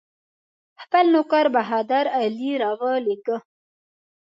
خپل نوکر بهادر علي راولېږه.